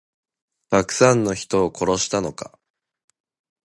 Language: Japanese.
たくさんの人を殺したのか。